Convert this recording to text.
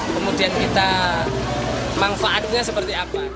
kemudian kita manfaatnya seperti apa